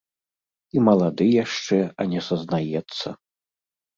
І малады яшчэ, а не сазнаецца.